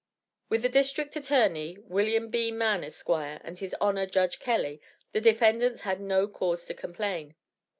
With the District Attorney, Wm. B. Mann, Esq., and his Honor, Judge Kelley, the defendants had no cause to complain.